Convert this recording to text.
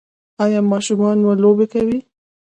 ایا ماشومان مو لوبې کوي؟